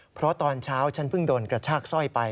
เพราะตอนเช้าฉันเพิ่งโดนกระชากสร้อยไป